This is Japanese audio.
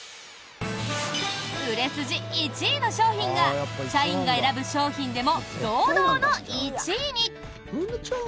売れ筋１位の商品が社員が選ぶ商品でも堂々の１位に！